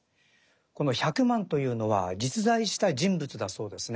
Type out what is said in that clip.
この百万というのは実在した人物だそうですね。